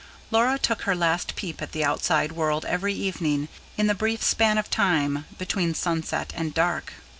Laura took her last peep at the outside world, every evening, in the brief span of time between sunset and dark.